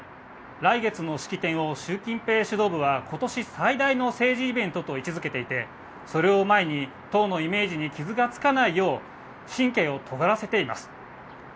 来月の式典をシュウ・キンペイ指導部は今年最大の政治イベントと位置付けていて、それを前に党のイメージに傷がつかないよう、神経をとがらせています。